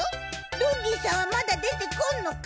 ロンリーさんはまだ出てこんのか？